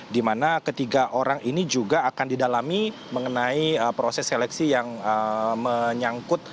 di mana ketiga orang ini juga akan didalami mengenai proses seleksi yang menyangkut